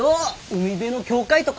海辺の教会とか！